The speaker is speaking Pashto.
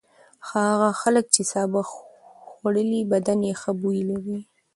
هغه خلک چې سابه خوړلي بدن یې ښه بوی لري.